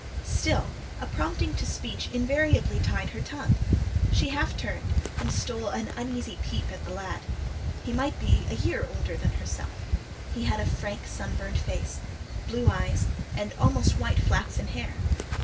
Still, a prompting to speech invariably tied her tongue. She half turned, and stole an uneasy peep at the lad. He might be a year older than herself; he had a frank, sunburnt face, blue eyes, and almost white flaxen hair.